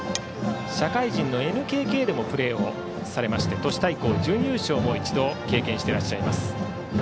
社会人のＮＫＫでもプレーされて都市対抗準優勝も一度経験していらっしゃいます。